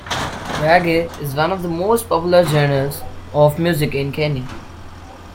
Reggae is one of the most popular genres of music in Kenya.